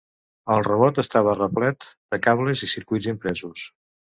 El robot estava replet de cables i circuits impresos.